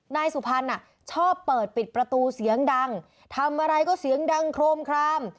นายสุพรรณชอบเปิดปิดประตูเสียงดังทำอะไรก็เสียงดังโครมคราม